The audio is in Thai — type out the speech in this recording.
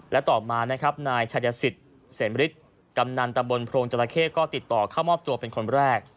และต่อมานะครับนายชายสิทธิ์เสมฤทธิ์กำนันตำบลโพรงจราเข้ก็ติดต่อเข้ามอบตัวเป็นคนแรก